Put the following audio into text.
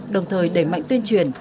đồng thời đẩy mạnh tuyên truyền